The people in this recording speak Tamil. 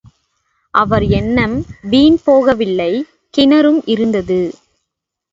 அவர் எண்ணம் வீண்போகவில்லை கிணறும் இருந்தது.